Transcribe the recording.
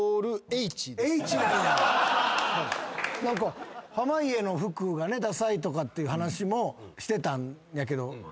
何か濱家の服がダサいっていう話もしてたんやけど。